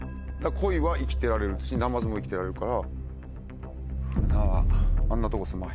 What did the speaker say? コイは生きてられるしナマズも生きてられるから。